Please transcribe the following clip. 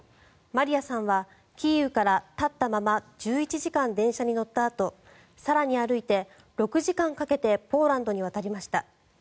マリヤさんはキーウから立ったまま１１時間電車に乗ったあと更に歩いて６時間かけてポーランドに渡りました。